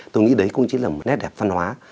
tôi nghĩ đấy cũng chính là một nét đẹp văn hóa